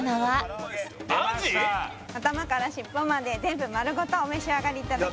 出ました頭から尻尾まで全部丸ごとお召し上がりいただけます